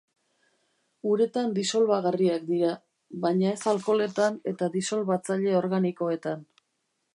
Uretan disolbagarriak dira, baina ez alkoholetan eta disolbatzaile organikoetan.